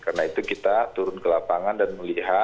karena itu kita turun ke lapangan dan melihat